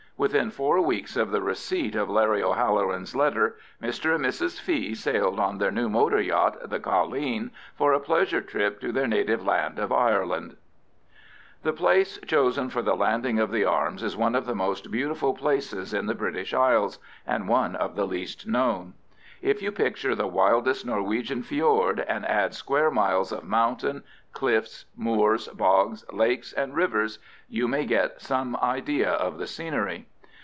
Within four weeks of the receipt of Larry O'Halloran's letter, Mr and Mrs Fee sailed on their new motor yacht, the Colleen, for a pleasure trip to their native land of Ireland. The place chosen for the landing of the arms is one of the most beautiful places in the British Isles, and one of the least known. If you picture the wildest Norwegian fjord, and add square miles of mountain, cliffs, moors, bogs, lakes, and rivers, you may get some idea of the scenery.